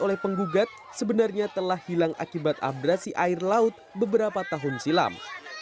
oleh penggugat sebenarnya telah hilang akibat abrasi air laut beberapa tahun silam